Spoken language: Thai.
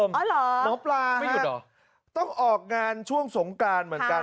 อ๋อเหรอไม่หยุดเหรอหมอปลาครับต้องออกงานช่วงสงการเหมือนกัน